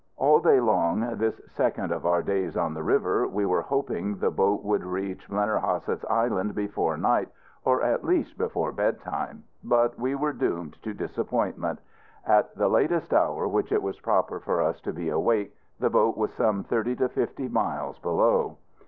All day long, this second of our days on the river, we were hoping the boat would reach Blennerhassett's Island before night, or at least before bedtime. But we were doomed to disappointment. At the latest hour which it was proper for us to be awake, the boat was some thirty to fifty miles below.